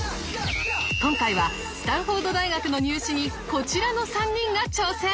今回はスタンフォード大学の入試にこちらの３人が挑戦！